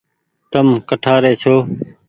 تم ڪٺآري ڇو۔